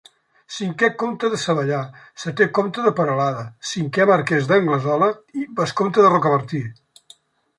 Cinquè comte de Savallà, setè comte de Peralada, cinquè marquès d’Anglesola i vescomte de Rocabertí.